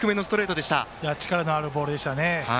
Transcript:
力のあるボールでした。